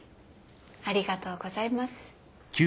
ありがとうございます。